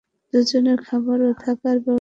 দুইজনের খাবার ও থাকার ব্যবস্থাসহ।